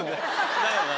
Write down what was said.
だよな？